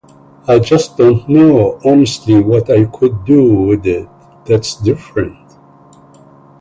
I just don't know honestly what I could do with it that's different.